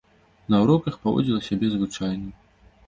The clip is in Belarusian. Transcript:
На уроках паводзіла сябе звычайна.